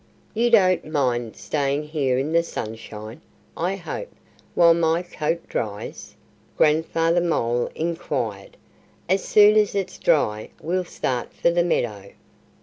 "You don't mind staying here in the sunshine, I hope, while my coat dries?" Grandfather Mole inquired. "As soon as it's dry we'll start for the meadow."